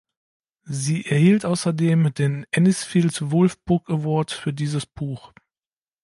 Sie erhielt außerdem den Anisfield-Wolf Book Award für dieses Buch.